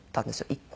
１個。